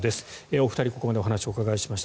お二人、ここまでお話お伺いしました。